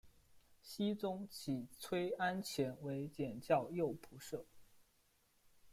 僖宗起崔安潜为检校右仆射。